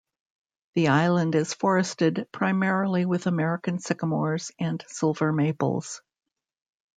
The island is forested primarily with American sycamores and silver maples.